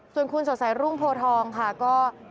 ส่วนคุณสดใสรุ่งโพทองค่ะก็